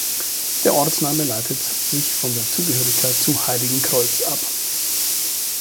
Der Ortsname leitet sich von der Zugehörigkeit zu Heiligenkreuz ab.